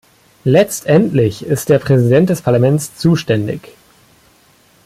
Letztendlich ist der Präsident des Parlaments zuständig.